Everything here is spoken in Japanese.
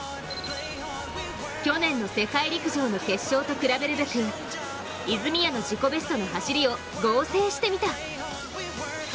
去年の世界陸上の決勝と比べるべく泉谷の自己ベストの走りを合成してみた。